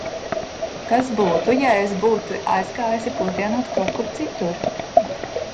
Kas būtu, ja es būtu aizgājusi pusdienot kaut kur citur?